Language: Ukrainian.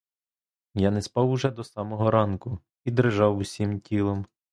Я не спав уже до самого ранку і дрижав усім тілом.